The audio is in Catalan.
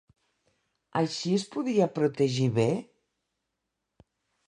Així es podia protegir bé?